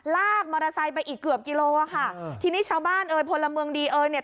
ลากมอเทศัยไปอีกเกือบกี่โลอะค่ะอ้าวทีนี้ชาวบ้านเออพลเมืองดีเออเนี่ย